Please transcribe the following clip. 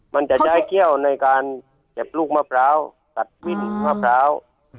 มันจะใช้เขี้ยวในการเก็บลูกมะพร้าวตัดมิ้นมะพร้าว